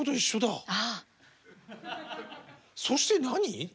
そして何？